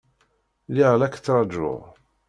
Lliɣ la k-ttṛajuɣ.